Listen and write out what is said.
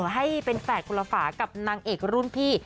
ให้เป็นแฝดคนละฝากับนางเอกรุ่นพี่